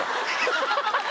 ハハハハ！